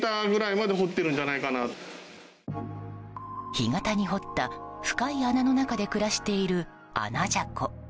干潟に掘った深い穴の中で暮らしているアナジャコ。